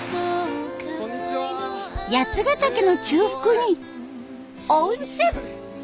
八ヶ岳の中腹に温泉。